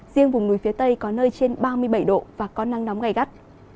riêng vùng núi phía tây có nơi trên ba mươi bảy độ và có nắng nóng gai gắt